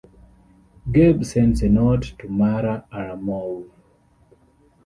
Gabe sends a note to Mara Aramov.